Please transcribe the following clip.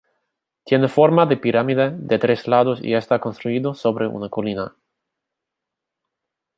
Tiene forma de pirámide de tres lados y está construido sobre una colina.